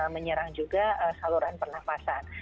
menyerang juga saluran pernafasan